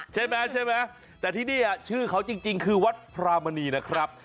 ใช่ไหมใช่ไหมแต่ที่นี่ชื่อเขาจริงคือวัดพรามณีนะครับ